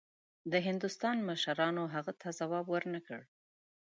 د هندوستان مشرانو هغه ته ځواب ورنه کړ.